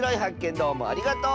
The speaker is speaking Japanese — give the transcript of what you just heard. どうもありがとう！